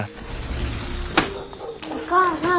お母さん。